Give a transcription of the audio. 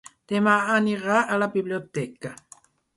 Demà anirà a la biblioteca.